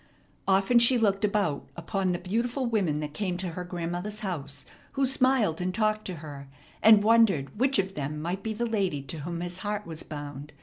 Often she looked about upon the beautiful women that came to her grandmother's house, who smiled and talked to her, and wondered which of them might be the lady to whom his heart was bound.